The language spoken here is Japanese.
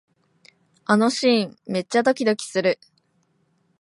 あのシーン、めっちゃドキドキする